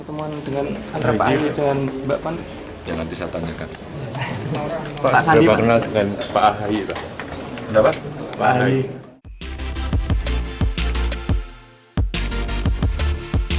teman dengan antara pak ayu dengan mbak pantus yang bisa tanyakan pasal di